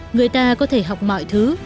người ta có thể học mọi thứ